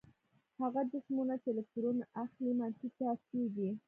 هغه جسمونه چې الکترون اخلي منفي چارجیږي.